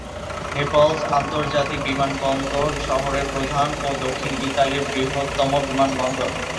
Naples আন্তর্জাতিক বিমানবন্দর শহরের প্রধান ও দক্ষিণ ইতালির বৃহত্তম বিমানবন্দর।